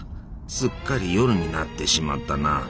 すっかり夜になってしまったな。